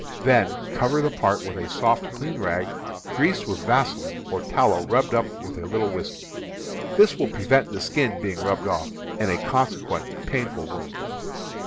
Then cover the part with a soft, clean rag greased with vaselin, or tallow rubbed up with a little whiskey. This will prevent the skin being rubbed off, and a consequent painful wound.